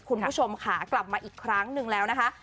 คุณผู้ชมค่ะกลับมาอีกครั้งหนึ่งแล้วนะคะ